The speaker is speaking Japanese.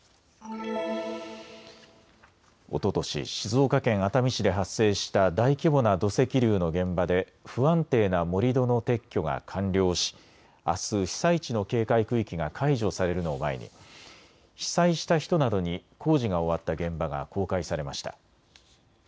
おととし、静岡県熱海市で発生した大規模な土石流の現場で不安定な盛り土の撤去が完了しあす、被災地の警戒区域が解除されるのを前に被災した人などに工事が終わった現場が公開されました。